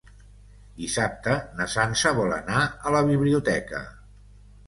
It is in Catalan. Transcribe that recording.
Dissabte na Sança vol anar a la biblioteca.